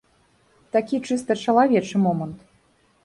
Такі чыста чалавечы момант.